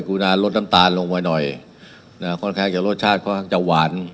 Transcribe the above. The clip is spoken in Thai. คุณอาลดน้ำตาลลงมาหน่อยค่อนข้างจะรสชาติค่อนข้างจะหวาน